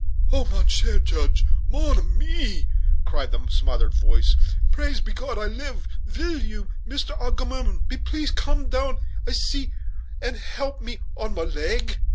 "Oh! mon cher Juge! mon ami!" cried a smothered voice, "praise be God, I live; vill you, Mister Agamemnon, be pleas come down ici, and help me on my leg?"